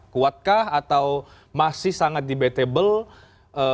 kuatkah atau masih sangat debatable